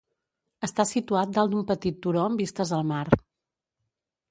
Està situat dalt d'un petit turó amb vistes al mar.